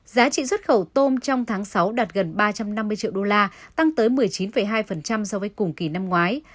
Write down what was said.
giá trị xuất khẩu tôm trong tháng sáu đạt gần ba trăm năm mươi triệu đô la tăng tới một mươi chín hai so với cùng kỳ năm ngoái